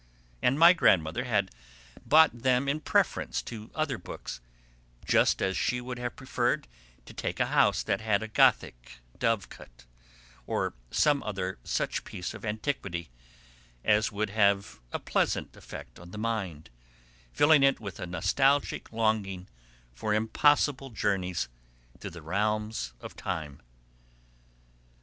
And my grandmother had bought them in preference to other books, just as she would have preferred to take a house that had a gothic dovecot, or some other such piece of antiquity as would have a pleasant effect on the mind, filling it with a nostalgic longing for impossible journeys through the realms of time.